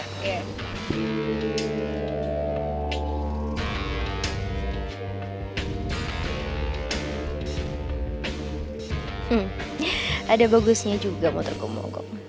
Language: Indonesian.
hmm ada bagusnya juga motor kombo gok